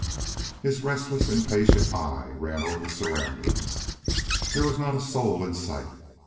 His restless, impatient eye ran over the surroundings. There was not a soul in sight.